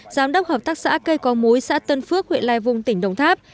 giám đốc hợp tác xã cây con mối xã tân phước huyện lai vung tỉnh đồng tháp